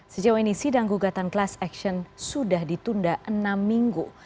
sejauh ini sidang gugatan class action sudah ditunda enam minggu